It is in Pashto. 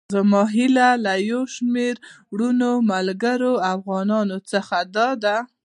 زما هيله له يو شمېر وروڼو، ملګرو او افغانانو څخه داده.